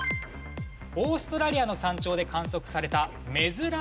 オーストラリアの山頂で観測された珍しい太陽。